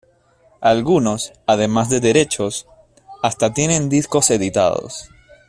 algunos, además de derechos, hasta tienen discos editados